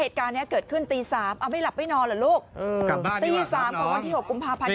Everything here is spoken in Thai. เหตุการณ์นี้เกิดขึ้นตี๓ไม่หลับไม่นอนเหรอลูก